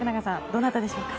どなたでしょうか。